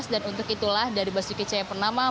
dan untuk itulah dari basuki caya pernama